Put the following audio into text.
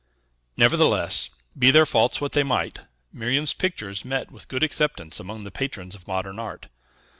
Nevertheless, be their faults what they might, Miriam's pictures met with good acceptance among the patrons of modern art.